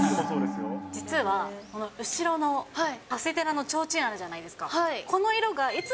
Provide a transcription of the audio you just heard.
実は、この後ろの長谷寺のちょうちんあるじゃないですか。